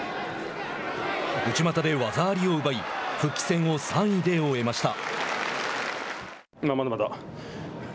内股で技ありを奪い復帰戦を３位で終えました。